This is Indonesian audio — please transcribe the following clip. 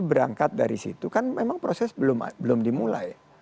berangkat dari situ kan memang proses belum dimulai